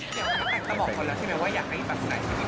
เดี๋ยวนักการ์ทำบอกคนแล้วใช่ไหมว่าอยากให้ฝันไหน